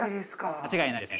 間違いないですね。